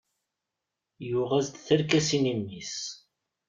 Yuɣ-as-d tarkasin i mmi-s.